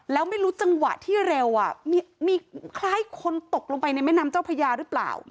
แล้วไม่รู้จังหวะที่เร็วมีคล้ายคนตกลงไปในแม่น้ำเจ้าพญาหรือเปล่า